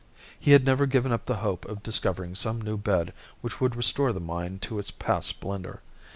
He had never given up the hope of discovering some new bed which would restore the mine to its past splendor.